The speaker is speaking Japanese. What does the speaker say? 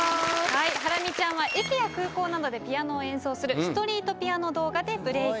ハラミちゃんは駅や空港などでピアノを演奏するストリートピアノ動画でブレイク。